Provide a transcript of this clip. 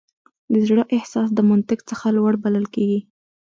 د زړه احساس د منطق څخه لوړ بلل کېږي.